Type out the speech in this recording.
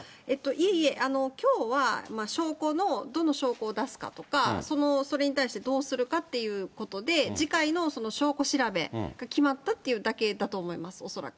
いえいえ、きょうは証拠の、どの証拠を出すかとか、それに対してどうするかということで、次回の証拠調べが決まったということだけだと思います、恐らく。